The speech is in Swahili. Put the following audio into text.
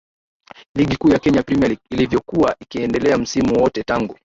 league kuu ya kenya premier league ilivyokuwa ikiendelea msimu wote tangu